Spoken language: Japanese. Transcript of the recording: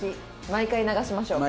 毎回流しましょう。